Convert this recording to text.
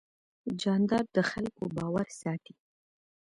جانداد د خلکو باور ساتي.